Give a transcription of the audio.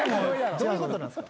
どういうことなんすか？